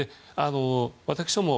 私ども